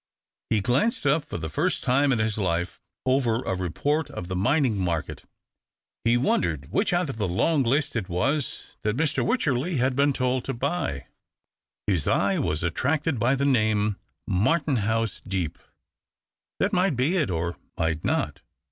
He glanced up for the first time in his life, over a report of the mining market. He wondered which out of the long 216 THE OCTAVE OF CLAUDIUS. list it was tliat Mr. Wycherley had been told to buy. His eye was attracted by the name Martenliuis Deep. That might be it or might not.